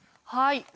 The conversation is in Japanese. はい。